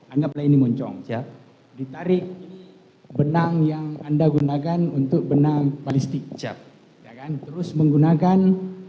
anggap lain moncong di tarik benang yang anda gunakan untuk benang balistik siap terus menggunakan